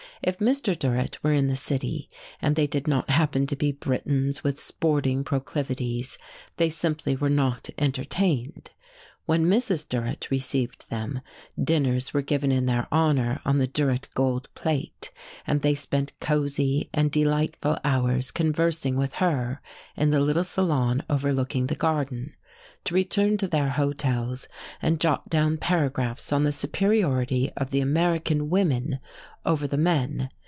If Mr. Durrett were in the city, and they did not happen to be Britons with sporting proclivities, they simply were not entertained: when Mrs. Durrett received them dinners were given in their honour on the Durrett gold plate, and they spent cosey and delightful hours conversing with her in the little salon overlooking the garden, to return to their hotels and jot down paragraphs on the superiority of the American women over the men.